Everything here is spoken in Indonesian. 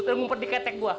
terlalu mumpet di ketek gua